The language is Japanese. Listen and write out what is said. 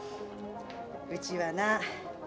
うちはな